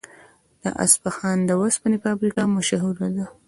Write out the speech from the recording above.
د اصفهان د وسپنې فابریکه مشهوره ده.